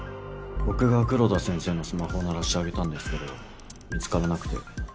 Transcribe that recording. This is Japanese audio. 僕が黒田先生のスマホを鳴らしてあげたんですけど見つからなくて。